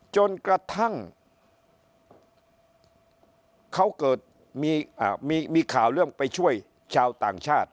จนกระทั่งเขาเกิดมีข่าวเรื่องไปช่วยชาวต่างชาติ